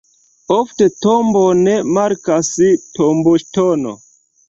Ofte tombon markas tomboŝtono.